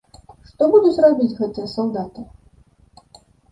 Што будуць рабіць гэтыя салдаты?